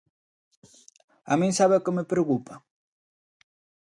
¿A min sabe o que me preocupa?